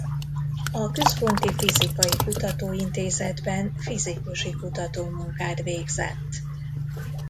A Központi Fizikai Kutatóintézetben fizikusi kutatómunkát végzett.